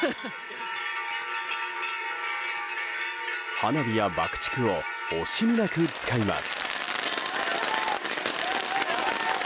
花火や爆竹を惜しみなく使います。